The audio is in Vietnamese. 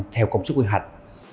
theo cổng sức quy hoạch